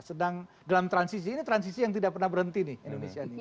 sedang dalam transisi ini transisi yang tidak pernah berhenti nih indonesia ini